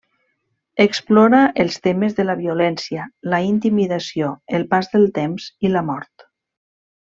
Explora els temes de la violència, la intimidació, el pas del temps i la mort.